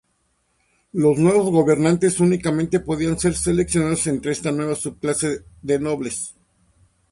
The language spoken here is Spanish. Los nuevos gobernantes únicamente podían ser seleccionados entre esta nueva subclase de nobles.